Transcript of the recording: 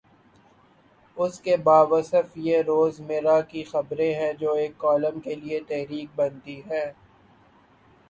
اس کے باوصف یہ روز مرہ کی خبریں ہیں جو ایک کالم کے لیے تحریک بنتی ہیں۔